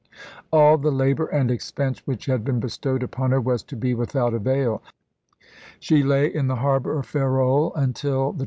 All the labor and expense which had been bestowed upon her was to be without avail. She lay in the harbor of Ferrol until the lees.